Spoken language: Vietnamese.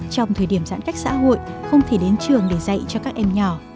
trong thời điểm giãn cách xã hội không thể đến trường để dạy cho các em nhỏ